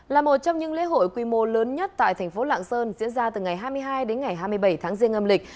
là một trong những lễ hội quy mô lớn nhất tại thành phố lạng sơn diễn ra từ ngày hai mươi hai đến ngày hai mươi bảy tháng riêng âm lịch